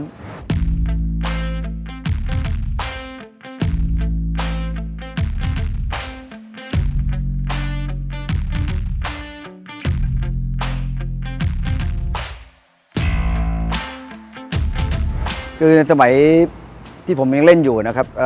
คือในสมัยที่ผมยังเล่นอยู่นะครับ